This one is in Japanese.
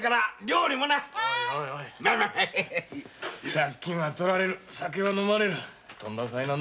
借金は取られる酒は飲まれるとんだ災難だ。